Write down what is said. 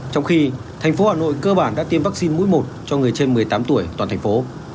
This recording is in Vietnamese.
trong khi thành phố hà nội cơ bản đã tiêm vaccine mũi một cho người trên một mươi tám tuổi toàn thành phố